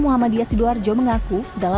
muhammadiyah sidoarjo mengaku segala